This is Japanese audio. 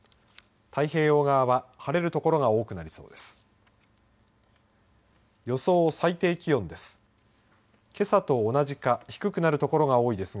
太平洋側は晴れる所が多くなりそうです。